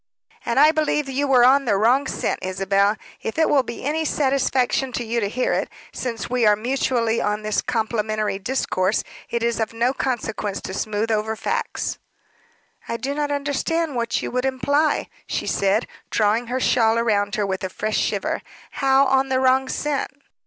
"And I believe you were on the wrong scent, Isabel if it will be any satisfaction to you to hear it. Since we are mutually on this complimentary discourse, it is of no consequence to smooth over facts." "I do not understand what you would imply," she said, drawing her shawl round her with a fresh shiver. "How on the wrong scent?"